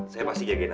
saya pasti jagain asma